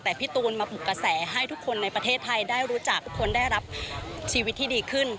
แต่พี่ตูนมาปลุกกระแสให้ทุกคนในประเทศไทยได้รู้จักทุกคนได้รับชีวิตที่ดีขึ้น